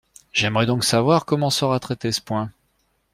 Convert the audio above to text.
J’aimerais donc savoir comment sera traité ce point.